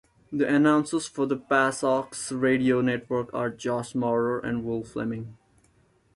The announcers for the Pawsox Radio Network are Josh Maurer and Will Flemming.